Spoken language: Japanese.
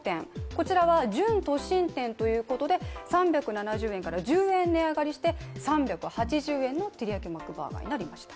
こちらは準都心店ということで３７０円から１０円値上がりして３８０円のてりやきマックバーガーとなりました。